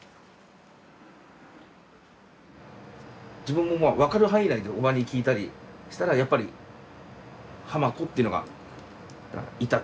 自分も分かる範囲内で叔母に聞いたりしたらやっぱり「ハマコ」っていうのがいた。